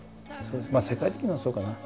まあ世界的にもそうかな。